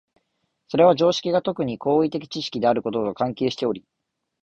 それは常識が特に行為的知識であることと関係しており、